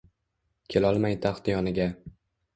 Kelolmay taxt yoniga